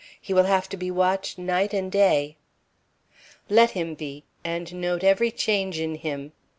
He will have to be watched night and day." "Let him be, and note every change in him.